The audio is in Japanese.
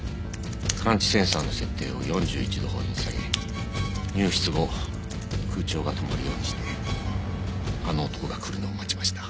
感知センサーの設定を４１度ほどに下げ入室後空調が止まるようにしてあの男が来るのを待ちました。